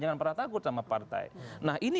jangan pernah takut sama partai nah ini